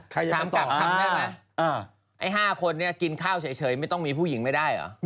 ถามกลับคำได้ไหมไอ้๕คนเนี่ยกินข้าวเฉยไม่ต้องมีผู้หญิงไม่ได้เหรอ